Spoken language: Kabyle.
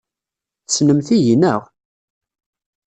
Tessnemt-iyi, naɣ?